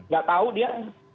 gak tau dia